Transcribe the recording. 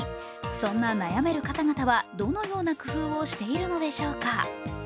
そんな悩める方々はどんな工夫をしているのでしょうか。